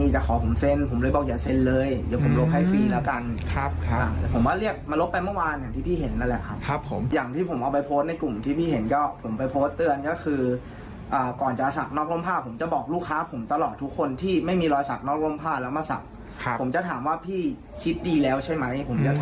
ใช่ค่ะเพราะเราเคยนีประสบการณ์มาแล้วไหม